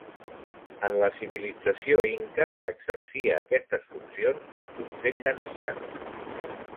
En la civilització Inca exercia aquestes funcions un consell d'ancians.